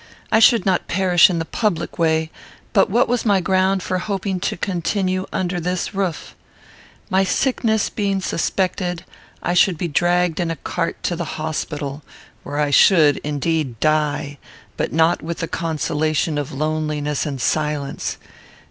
I should not perish in the public way; but what was my ground for hoping to continue under this roof? My sickness being suspected, I should be dragged in a cart to the hospital; where I should, indeed, die, but not with the consolation of loneliness and silence.